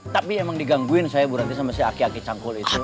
tapi emang digangguin saya berarti saya masih aki aki cangkul itu